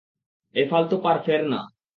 এই ফালতু পার-ফের না।